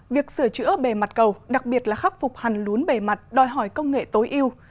việc sửa chữa bề mặt cầu đặc biệt là khắc phục hàn lún bề mặt đòi hỏi công nghệ tối yêu